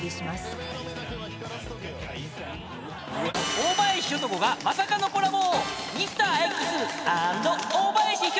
［大林ひょと子がまさかのコラボ］